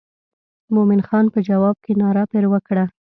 مومن خان په جواب کې ناره پر وکړه.